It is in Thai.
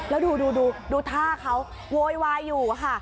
แล้วดูท่าเขาโวยวายอยู่ค่ะ